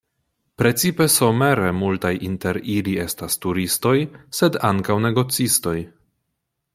Precipe somere multaj inter ili estas turistoj, sed ankaŭ negocistoj.